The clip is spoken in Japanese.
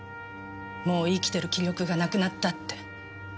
もう生きてる気力がなくなったって。